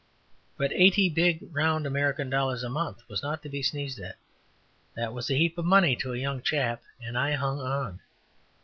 But eighty big round American dollars a month was not to be sneezed at that was a heap of money to a young chap and I hung on.